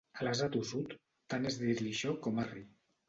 A l'ase tossut, tant és dir-li xo com arri.